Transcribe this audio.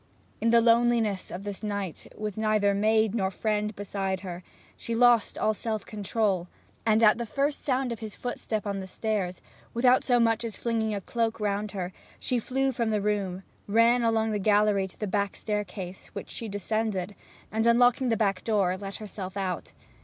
In the loneliness of this night, with neither maid nor friend beside her, she lost all self control, and at the first sound of his footstep on the stairs, without so much as flinging a cloak round her, she flew from the room, ran along the gallery to the back staircase, which she descended, and, unlocking the back door, let herself out.